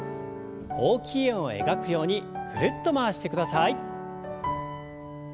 大きい円を描くようにぐるっと回してください。